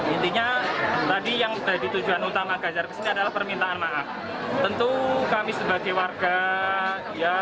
intinya tadi yang tadi tujuan utama kajar adalah permintaan maaf tentu kami sebagai warga yang